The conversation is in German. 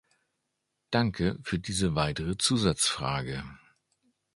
Danke für diese weitere Zusatzfrage.